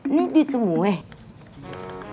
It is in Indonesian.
ini duit semua ya